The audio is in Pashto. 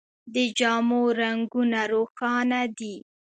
د جامو رنګونه روښانه دي.